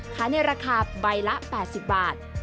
ในราคาใบละ๘๐บาท